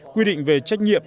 quy định về trách nhiệm